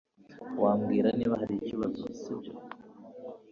Wambwira niba hari ikibazo, sibyo?